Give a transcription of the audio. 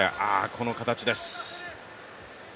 この形です。